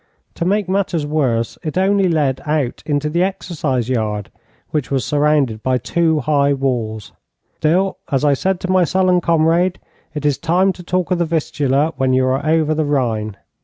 To make matters worse, it only led out into the exercise yard, which was surrounded by two high walls. Still, as I said to my sullen comrade, it is time to talk of the Vistula when you are over the Rhine.